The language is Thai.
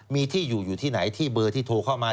มีที่อยู่อยู่ที่ไหนที่เบอร์ที่โทรเข้ามา